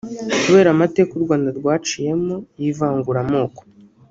Kubera amateka u Rwanda rwaciyemo y’ivanguramoko